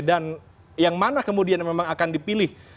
dan yang mana kemudian memang akan dipilih